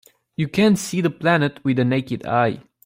You can't see the planet with the naked eye.